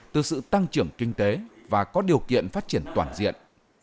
từ sự tăng trưởng kinh tế và có điều kiện phát triển toàn diện